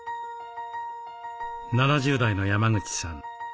７０代の山口さん